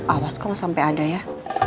awas kok sampai ada ya